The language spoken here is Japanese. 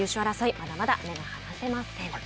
まだまだ目が離せません。